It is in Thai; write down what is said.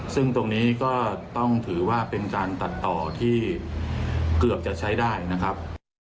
ซึ่งตรงนี้ก็ต้องถือว่าเป็นการตัดต่อที่เกือบจะใช้ได้นะครับ